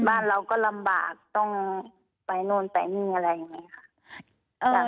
บ้านเราก็ลำบากต้องไปโน่นไปนี่อะไรอย่างนี้ค่ะ